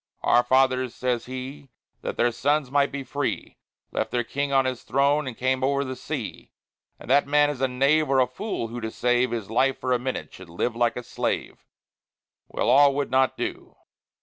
Our fathers," says he, "that their sons might be free, Left their king on his throne, and came over the sea; And that man is a knave or a fool who, to save His life for a minute, would live like a slave." Well, all would not do!